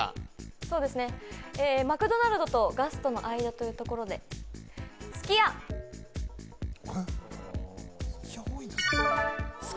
そうですねマクドナルドとガストの間というところでえっすき家多いんですね